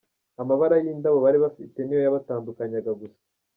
Amabara y'indabo bari bafite niyo yabatandukanyaga gusa.